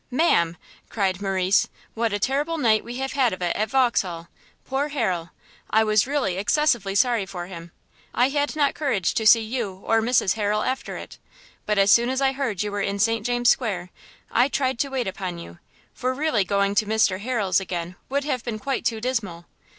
"Ma'am," cried Morrice, "what a terrible night we had of it at Vauxhall! poor Harrel! I was really excessively sorry for him. I had not courage to see you or Mrs Harrel after it. But as soon as I heard you were in St James's square, I tried to wait upon you; for really going to Mr Harrel's again would have been quite too dismal.